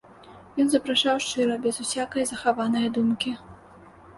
Ён запрашаў шчыра, без усякае захаванае думкі.